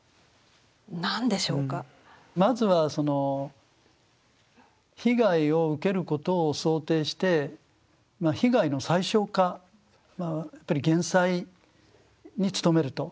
まずはその被害を受けることを想定して被害の最小化まあやっぱり減災に努めると。